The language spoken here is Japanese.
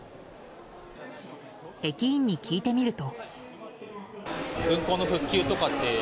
駅員に聞いてみると。